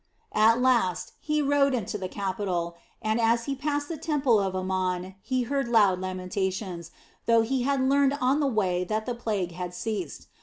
At last he rode into the capital and as he passed the temple of Amon he heard loud lamentations, though he had learned on the way that the plague had ceased.